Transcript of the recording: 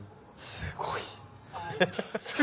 すごい。